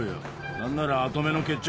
何なら跡目の決着